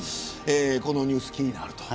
このニュース気になると。